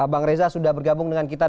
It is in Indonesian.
bang reza sudah bergabung dengan kita